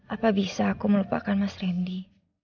apa bisa aku melupakan mas randy